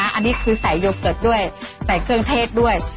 อันนี้คือใส่โยเกิร์ตด้วยใส่เครื่องเทศด้วย